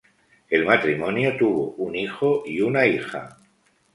El matrimonio tuvo un hijo y una hija.